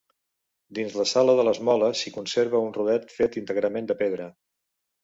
Dins la sala de les moles s'hi conserva un rodet fet íntegrament de pedra.